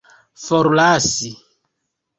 forlasi